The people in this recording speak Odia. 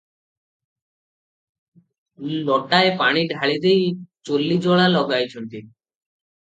ଲୋଟାଏ ପାଣି ଢାଳିଦେଇ ଚୁଲ୍ଲୀ ଜଳା ଲଗାଇଛନ୍ତି ।